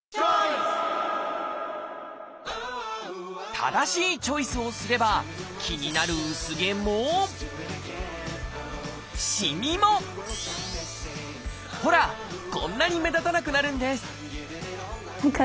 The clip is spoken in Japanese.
正しいチョイスをすれば気になる薄毛もしみもほらこんなに目立たなくなるんです